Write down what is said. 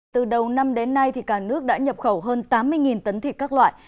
từ đầu năm đến nay cả nước đã nhập khẩu hơn tám mươi tấn thịt các loại